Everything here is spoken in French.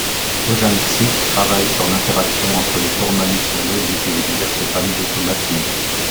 Bojańczyk travaille sur l'interaction entre les formalismes logiques et les diverses familles d'automates finis.